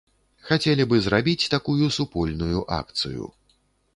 Хацелі бы зрабіць такую супольную акцыю.